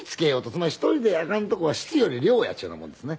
つまり１人であかんとこは質より量やっていうようなもんですね。